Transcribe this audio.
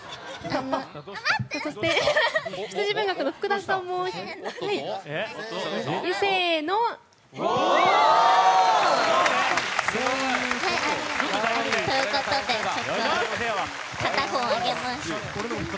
そして羊文学のフクダさんも。ということでちょっと片方あげます。